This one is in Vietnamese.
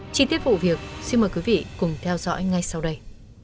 chi tiết vụ việc xin mời quý vị cùng theo dõi ngay sau đây